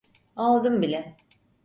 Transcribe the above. Aldım bile.